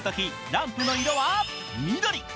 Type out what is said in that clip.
ランプの色は緑。